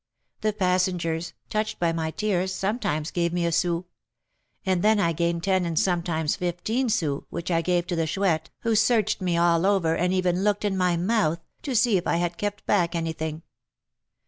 The passengers, touched by my tears, sometimes gave me a sou; and then I gained ten and sometimes fifteen sous, which I gave to the Chouette, who searched me all over, and even looked in my mouth, to see if I had kept back anything."